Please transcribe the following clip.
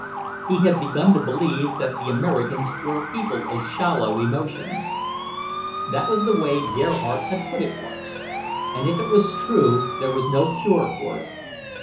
He had begun to believe that the Americans were a people of shallow emotions. That was the way Gerhardt had put it once; and if it was true, there was no cure for it.